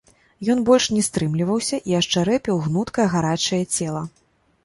Ён больш не стрымліваўся і ашчарэпіў гнуткае гарачае цела.